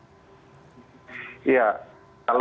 ada undang undang ataupun regi yang berbeda ini ya